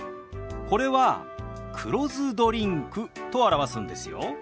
これは「黒酢ドリンク」と表すんですよ。